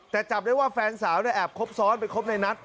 แต่จับได้ว่าแฟนสาวเนี่ยแอบครบซ้อนไปคบในนัท